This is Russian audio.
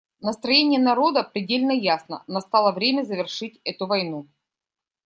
Настроение народа предельно ясно: настало время завершить эту войну.